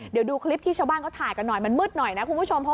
เดี๋ยวดูคลิปที่ชาวบ้านเขาถ่ายกันหน่อยมันมืดหน่อยนะคุณผู้ชม